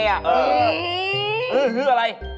เออหืออะไร